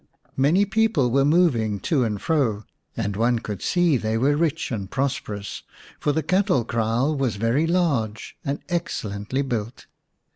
Many people were moving to and fro, and one could see they were rich and prosperous, for the cattle kraal was very large and excellently built.